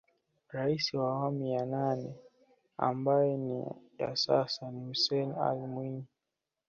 Rais wa awamu ya nane ambaye ni ya sasa ni Hussein Ally Mwinyi